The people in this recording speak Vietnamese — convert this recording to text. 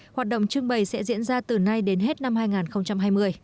hoạt động trưng bày sẽ diễn ra từ nay đến hết năm hai nghìn hai mươi